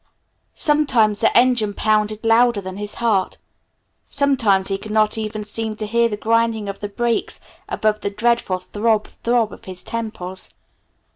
Sometimes the engine pounded louder than his heart. Sometimes he could not even seem to hear the grinding of the brakes above the dreadful throb throb of his temples.